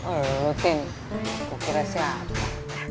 elu tim kukira siapa